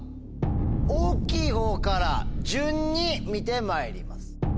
大きいほうから順に見てまいります。